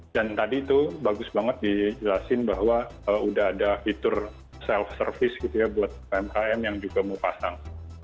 dan tadi tuh bagus banget dijelasin bahwa udah ada fitur self service gitu ya buat pmkm yang juga mau pasang